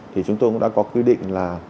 thì chúng tôi cũng đã có quy định là